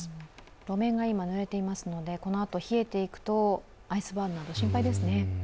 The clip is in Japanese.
路面が今、ぬれていますので、このあと冷えていくとアイスバーンなど心配ですね。